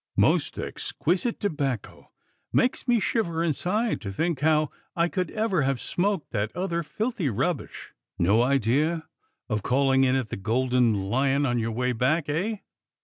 "Most exquisite tobacco! Makes me shiver inside to think how I could ever have smoked that other filthy rubbish." "No idea of calling in at the Golden Lion on your way back, eh?"